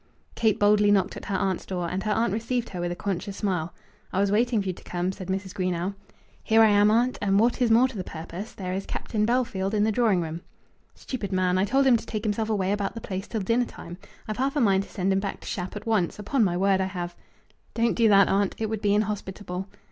Kate boldly knocked at her aunt's door, and her aunt received her with a conscious smile. "I was waiting for you to come," said Mrs. Greenow. "Here I am, aunt; and, what is more to the purpose, there is Captain Bellfield in the drawing room." "Stupid man! I told him to take himself away about the place till dinner time. I've half a mind to send him back to Shap at once; upon my word I have." "Don't do that, aunt; it would be inhospitable."